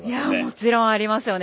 もちろんありますよね。